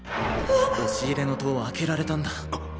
押し入れの戸を開けられたんだ。